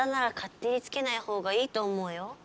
手につけないほうがいいと思うよ？